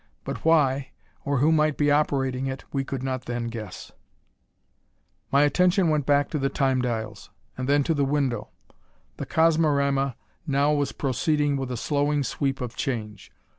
But why, or who might be operating it we could not then guess. My attention went back to the Time dials, and then to the window. The Cosmorama now was proceeding with a slowing sweep of change.